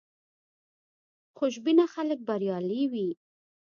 خوشبینه خلک بریالي وي.